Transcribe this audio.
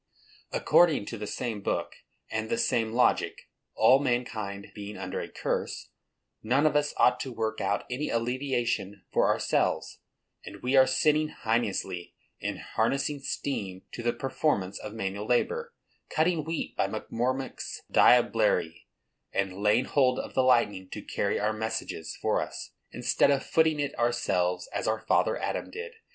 According to the same book and the same logic, all mankind being under a "curse," none of us ought to work out any alleviation for ourselves, and we are sinning heinously in harnessing steam to the performance of manual labor, cutting wheat by McCormick's diablerie, and laying hold of the lightning to carry our messages for us, instead of footing it ourselves as our father Adam did.